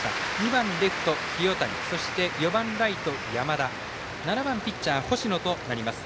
２番レフト、清谷４番ライト、山田７番ピッチャー、星野となります。